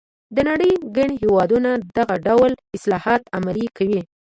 د نړۍ ګڼ هېوادونه دغه ډول اصلاحات عملي کوي.